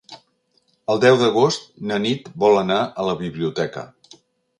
El deu d'agost na Nit vol anar a la biblioteca.